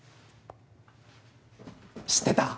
知ってた？